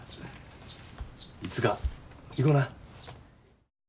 いつか行こな。